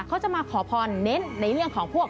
เขาจะมาขอพรเน้นในเรื่องของพวก